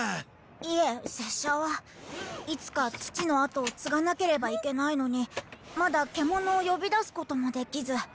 いえ拙者はいつか父の後を継がなければいけないのにまだ獣を呼び出すこともできず。